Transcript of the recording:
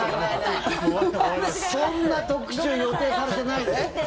そんな特集予定されてないでしょ。